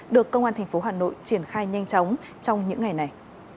được công an thành phố hà nội triển khai nhanh chóng trong những ngày này